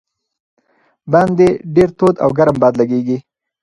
باندې ډېر تود او ګرم باد لګېږي.